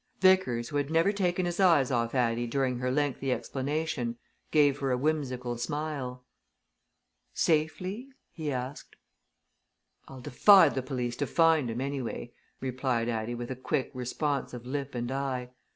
Vickers, who had never taken his eyes off Addie during her lengthy explanation, gave her a whimsical smile. "Safely?" he asked. "I'll defy the police to find 'em, anyway," replied Addie with a quick response of lip and eye.